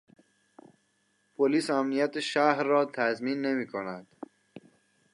پلیس امنیت شهر را تضمین نمیکند.